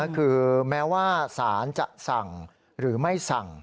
คือแม้ว่าสารจะสั่งหรือไม่สั่ง